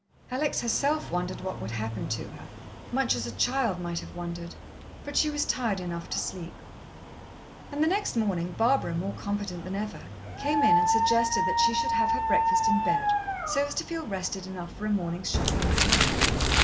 Alex herself wondered what would happen to her, much as a child might have wondered. But she was tired enough to sleep. And the next morning Barbara, more competent than ever, came in and suggested that she should have her breakfast in bed, so as to feel rested enough for a morning's shopping in town.